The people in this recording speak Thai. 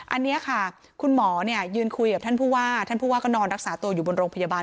อันนี้ค่ะคุณหมอยืนคุยกับท่านผู้ว่าท่านผู้ว่าก็นอนรักษาตัวอยู่บนโรงพยาบาล